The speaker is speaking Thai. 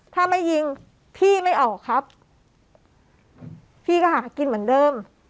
ถ้าไม่ยิงพี่ไม่ออกครับพี่ก็หากินเหมือนเดิม